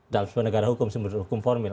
dalam sumber negara hukum sumber hukum formil